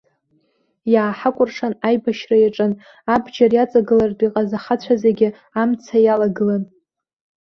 Иааҳакәыршан аибашьра иаҿын, абџьар иаҵагылартә иҟаз ахацәа зегьы амца иалагылан.